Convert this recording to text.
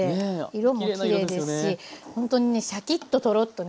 色もきれいですしほんとにねシャキッとトロッとね